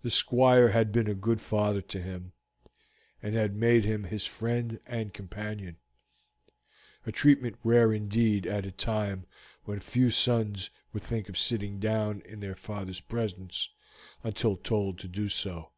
The Squire had been a good father to him, and had made him his friend and companion a treatment rare indeed at a time when few sons would think of sitting down in their father's presence until told to do so.